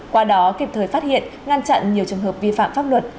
qua đó kịp thời phát hiện ngăn chặn nhiều trường hợp vi phạm pháp luật